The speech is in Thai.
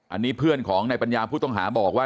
อันนี้เพื่อนของนายปัญญาผู้ต้องหาบอกว่า